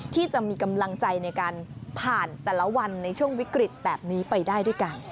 ที่จะมีกำลังใจในการผ่านแต่ละวันในช่วงวิกฤตแบบนี้ไปได้ด้วยกัน